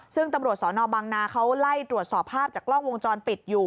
ซึ่งตำรวจสนบังนาเขาไล่ตรวจสอบภาพจากกล้องวงจรปิดอยู่